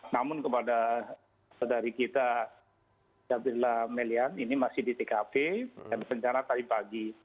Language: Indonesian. namun kepada dari kita ini masih di tkv dan pencara tadi pagi